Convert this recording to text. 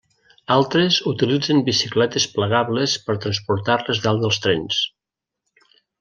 Altres utilitzen bicicletes plegables per transportar-les dalt dels trens.